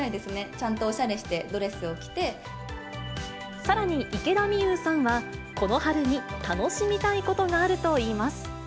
ちゃんとおしゃれしてドレスを着さらに、池田美優さんは、この春に楽しみたいことがあるといいます。